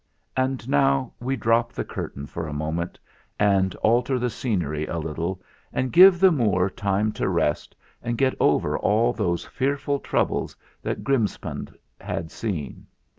And now we drop the curtain for a moment, and alter the scenery a little and give the Moor time to rest and get over all those fearful troubles that Grimspound has seen.